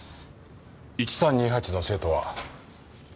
１３２８の生徒は？